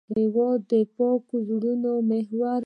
هېواد د پاکو زړونو محور دی.